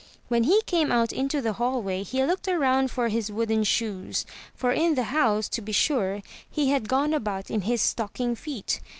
When he came out into the hallway, he looked around for his wooden shoes; for in the house, to be sure, he had gone about in his stocking feet.